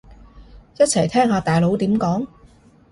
一齊聽下大佬點講